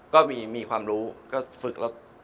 ก็มีความรู้ก็ฝึก